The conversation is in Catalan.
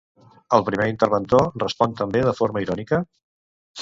El primer interventor respon també de forma irònica?